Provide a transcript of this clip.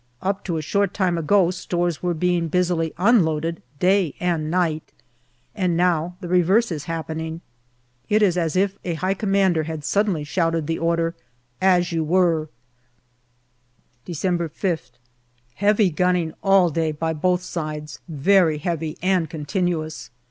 Up to a short time ago stores were being busily unloaded day and night, and now the reverse is happening. It is as if a High Commander had suddenly shouted the order, " As you were/' December 5th. Heavy gunning all day by both sides very heavy and continuous.